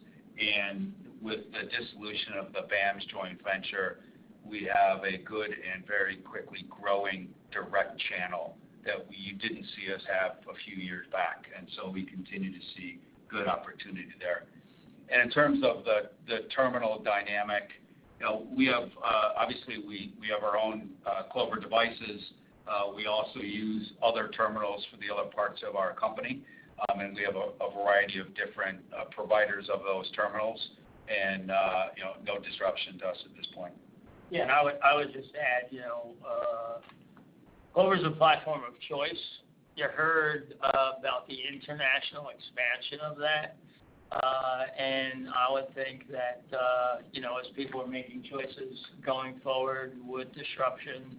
With the dissolution of the BAMS joint venture, we have a good and very quickly growing direct channel that we didn't see us have a few years back. We continue to see good opportunity there. In terms of the terminal dynamic, obviously we have our own Clover devices. We also use other terminals for the other parts of our company. We have a variety of different providers of those terminals and no disruption to us at this point. Yeah, I would just add, you know, Clover's a platform of choice. You heard about the international expansion of that. I would think that, you know, as people are making choices going forward with disruption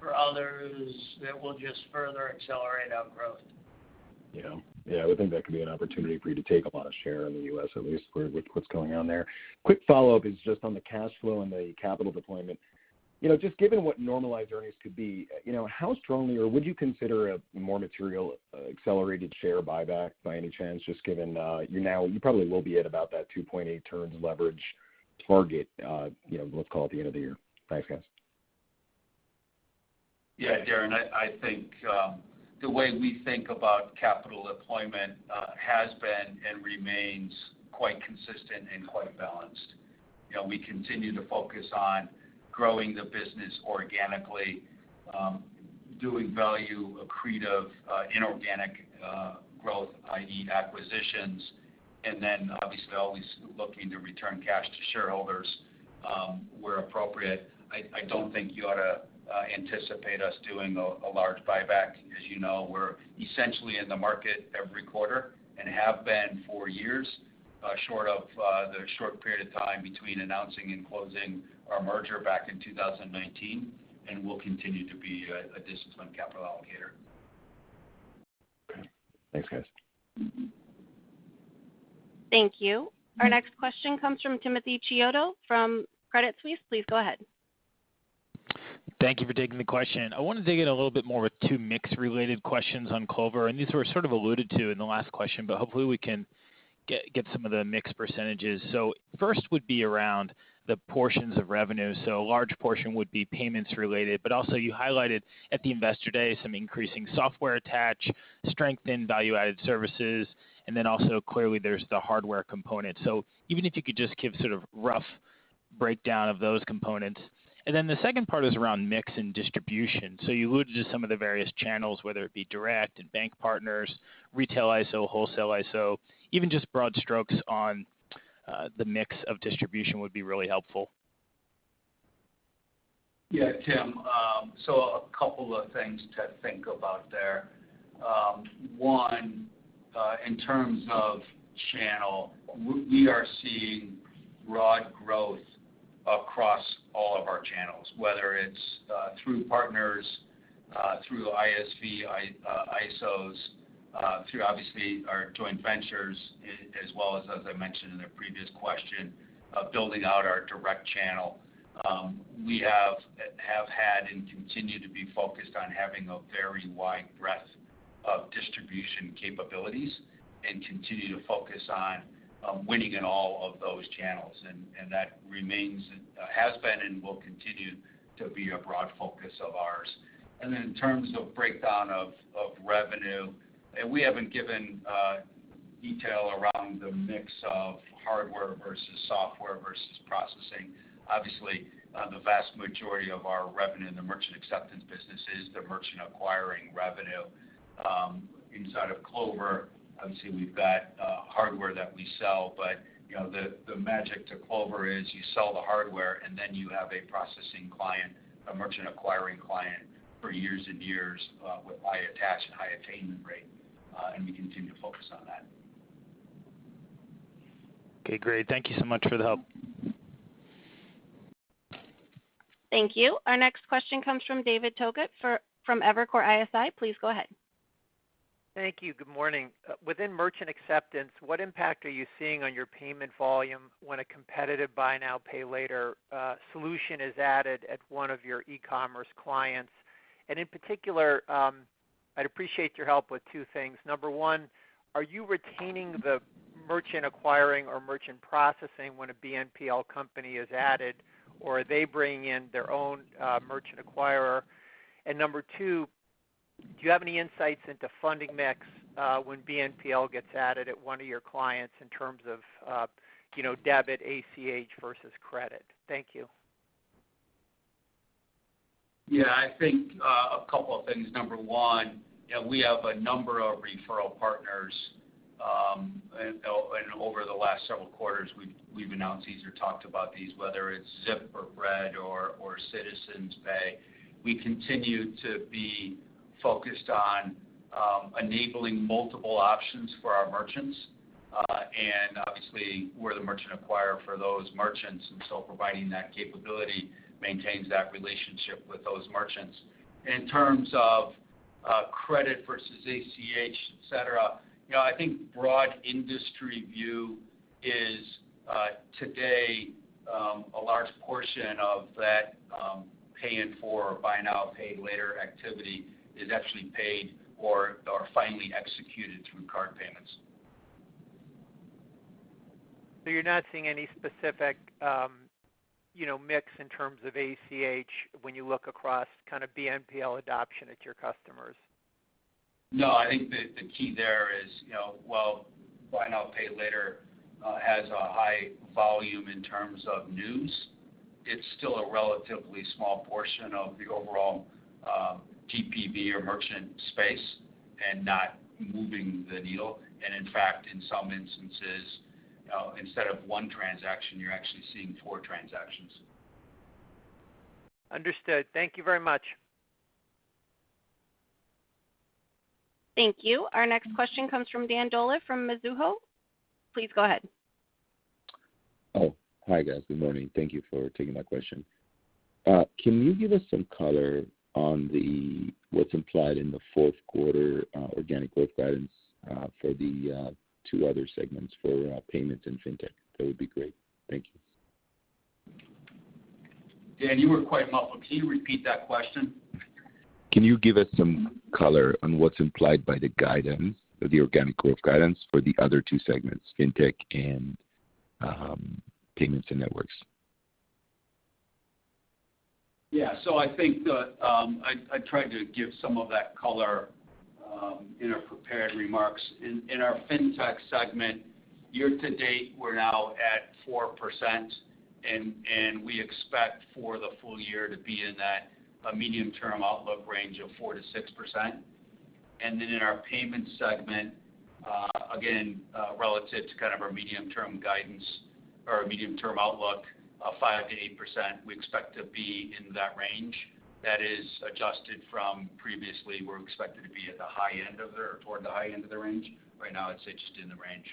for others, that will just further accelerate our growth. Yeah. Yeah, I would think that could be an opportunity for you to take a lot of share in the U.S. at least with what's going on there. Quick follow-up is just on the cash flow and the capital deployment. You know, just given what normalized earnings could be, you know, how strongly or would you consider a more material, accelerated share buyback by any chance, just given, you probably will be at about that 2.8 turns leverage target, you know, let's call it the end of the year. Thanks, guys. Yeah, Darrin, I think the way we think about capital deployment has been and remains quite consistent and quite balanced. You know, we continue to focus on growing the business organically, doing value accretive inorganic growth, i.e. acquisitions, and then obviously always looking to return cash to shareholders, where appropriate. I don't think you ought to anticipate us doing a large buyback. As you know, we're essentially in the market every quarter and have been for years, short of the short period of time between announcing and closing our merger back in 2019, and we'll continue to be a disciplined capital allocator. Okay. Thanks, guys. Thank you. Our next question comes from Timothy Chiodo from Credit Suisse. Please go ahead. Thank you for taking the question. I wanna dig in a little bit more with two mix-related questions on Clover, and these were sort of alluded to in the last question, but hopefully we can get some of the mix percentages. First would be around the portions of revenue. A large portion would be payments-related, but also you highlighted at the Investor Day some increasing software attach, strength in value-added services, and then also clearly there's the hardware component. Even if you could just give sort of rough breakdown of those components. The second part is around mix and distribution. You alluded to some of the various channels, whether it be direct and bank partners, retail ISO, wholesale ISO, even just broad strokes on the mix of distribution would be really helpful. Yeah, Tim. A couple of things to think about there. One, in terms of channel, we are seeing broad growth across all of our channels, whether it's through partners, through ISV, ISOs, through obviously our joint ventures, as well as I mentioned in a previous question, of building out our direct channel. We have had and continue to be focused on having a very wide breadth of distribution capabilities and continue to focus on winning in all of those channels. That remains, has been and will continue to be a broad focus of ours. Then in terms of breakdown of revenue, and we haven't given detail around the mix of hardware versus software versus processing. Obviously, the vast majority of our revenue in the merchant acceptance business is the merchant acquiring revenue. Inside of Clover, obviously we've got hardware that we sell, but you know, the magic to Clover is you sell the hardware and then you have a processing client, a merchant acquiring client for years and years with high attach and high attainment rate, and we continue to focus on that. Okay, great. Thank you so much for the help. Thank you. Our next question comes from David Togut from Evercore ISI. Please go ahead. Thank you. Good morning. Within merchant acceptance, what impact are you seeing on your payment volume when a competitive buy now, pay later solution is added at one of your e-commerce clients? In particular, I'd appreciate your help with two things. 1, are you retaining the merchant acquiring or merchant processing when a BNPL company is added, or are they bringing in their own merchant acquirer? 2, do you have any insights into funding mix when BNPL gets added at one of your clients in terms of debit ACH versus credit? Thank you. Yeah, I think a couple of things. Number one, you know, we have a number of referral partners and over the last several quarters, we've announced these or talked about these, whether it's Zip or Bread or Citizens Pay. We continue to be focused on enabling multiple options for our merchants. And obviously we're the merchant acquirer for those merchants, and so providing that capability maintains that relationship with those merchants. In terms of credit versus ACH, et cetera, you know, I think broad industry view is today a large portion of that pay it forward or buy now, pay later activity is actually paid or finally executed through card payments. You're not seeing any specific, you know, mix in terms of ACH when you look across kind of BNPL adoption at your customers. No, I think the key there is, you know, while buy now, pay later has a high volume in terms of news, it's still a relatively small portion of the overall TPV or merchant space and not moving the needle. In fact, in some instances, you know, instead of one transaction, you're actually seeing four transactions. Understood. Thank you very much. Thank you. Our next question comes from Dan Dolev from Mizuho. Please go ahead. Oh, hi, guys. Good morning. Thank you for taking my question. Can you give us some color on what's implied in the fourth quarter organic growth guidance for the two other segments for payments and Fintech? That would be great. Thank you. Dan, you were quite muffled. Can you repeat that question? Can you give us some color on what's implied by the guidance or the organic growth guidance for the other two segments, Fintech and payments and networks? Yeah. I think I tried to give some of that color in our prepared remarks. In our Fintech segment, year to date, we're now at 4% and we expect for the full year to be in that medium-term outlook range of 4%-6%. In our Payments segment, again, relative to kind of our medium-term guidance or medium-term outlook of 5%-8%, we expect to be in that range. That is adjusted from previously, we're expected to be toward the high end of the range. Right now, I'd say just in the range.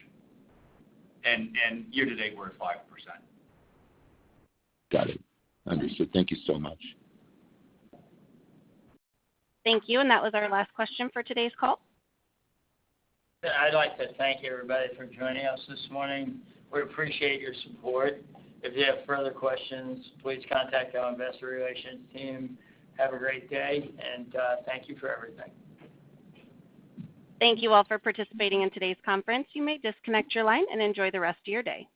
Year to date, we're at 5%. Got it. Understood. Thank you so much. Thank you. That was our last question for today's call. Yeah. I'd like to thank everybody for joining us this morning. We appreciate your support. If you have further questions, please contact our investor relations team. Have a great day, and thank you for everything. Thank you all for participating in today's conference. You may disconnect your line and enjoy the rest of your day.